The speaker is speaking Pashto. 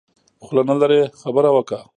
خوله نلرې خبره وکه.